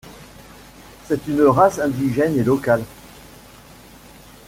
C'est une race indigène et locale.